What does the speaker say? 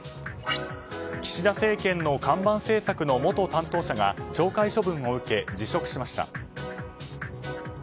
岸田政権の看板政策の元担当者が懲戒処分を受け、辞職しました。